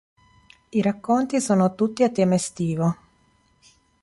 I racconti sono tutti a tema estivo.